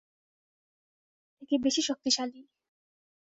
আমি ছিলাম ভাইয়ের থেকে বেশি শক্তিশালী।